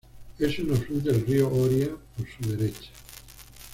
Es un afluente del río Oria por su derecha.